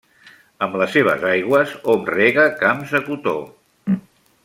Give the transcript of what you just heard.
Amb les seves aigües hom rega camps de cotó.